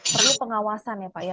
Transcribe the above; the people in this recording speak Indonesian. perlu pengawasan ya pak ya